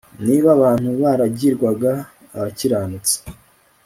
niba abantu baragirwaga abakiranutsi